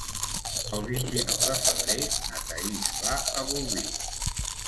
El vint-i-nou de febrer na Thaís va a Bolvir.